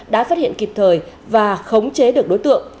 đã phát hiện kịp thời và khống chế được đối tượng